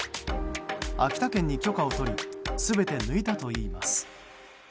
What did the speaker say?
秋田県に許可を取り全て抜いたといいます。